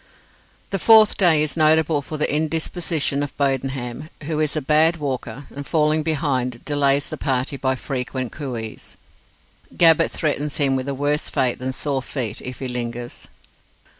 The fourth day is notable for the indisposition of Bodenham, who is a bad walker, and, falling behind, delays the party by frequent cooees. Gabbett threatens him with a worse fate than sore feet if he lingers.